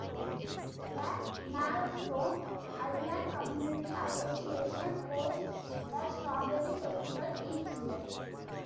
The Marrowstone Island Community Association hosts the Strawberry Festival each year.